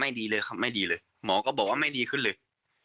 ดีเลยครับไม่ดีเลยหมอก็บอกว่าไม่ดีขึ้นเลย